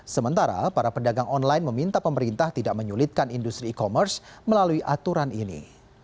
sementara para pedagang online meminta pemerintah tidak menyulitkan industri e commerce melalui aturan ini